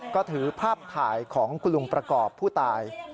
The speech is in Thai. ก็ถือภาพถ่ายของคุณลุงประกอบผู้ตาย